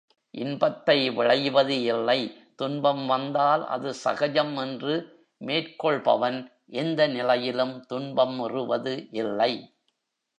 இன்பத்தை விழைவது இல்லை துன்பம் வந்தால் அது சகஜம் என்று மேற்கொள்பவன் எந்த நிலையிலும் துன்பம் உறுவது இல்லை.